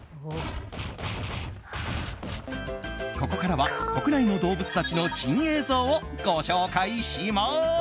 ここからは国内の動物たちの珍映像をご紹介します。